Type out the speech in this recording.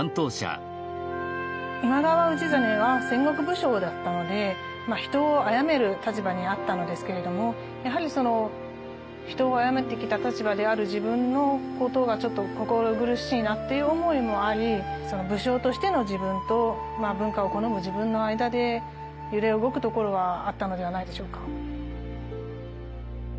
今川氏真は戦国武将だったので人を殺める立場にあったのですけれども人を殺めてきた立場である自分のことが心苦しいなっていう思いもあり武将としての自分と文化を好む自分の間で揺れ動くところはあったのではないでしょうか。